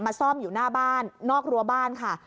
ซ่อมอยู่หน้าบ้านนอกรั้วบ้านค่ะ